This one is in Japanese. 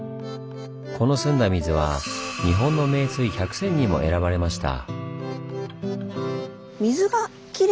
この澄んだ水は日本の「名水百選」にも選ばれました。